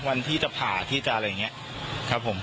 วันที่จะผ่าที่จะอะไรอย่างนี้ครับผม